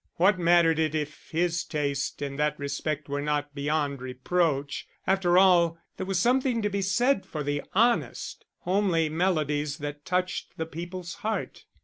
What mattered it if his taste in that respect were not beyond reproach; after all there was something to be said for the honest, homely melodies that touched the people's heart.